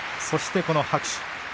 そして拍手。